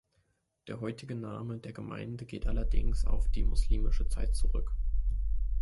Der heutige Name der Gemeinde geht allerdings auf die muslimische Zeit zurück.